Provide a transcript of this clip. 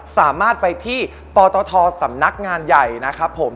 สามารถไปที่ปตทสำนักงานใหญ่นะครับผม